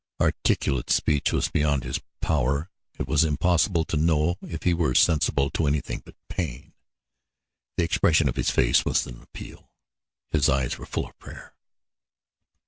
Articulate speech was beyond his power; it was impossible to know if he were sensible to anything but pain. The expression of his face was an appeal; his eyes were full of prayer.